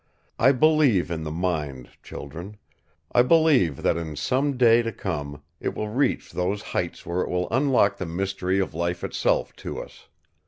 I believe in the mind, children. I believe that in some day to come it will reach those heights where it will unlock the mystery of life itself to us.